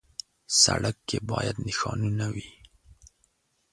سړک کې باید نښانونه وي.